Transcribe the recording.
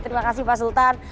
terima kasih pak sultan